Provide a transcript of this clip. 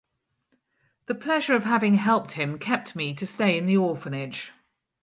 The pleasure of having helped him kept me to stay in the orphanage.